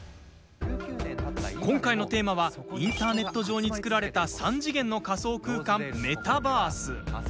今回のテーマはインターネット上に作られた３次元の仮想空間、メタバース。